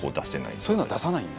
そういうのは出さないんだ。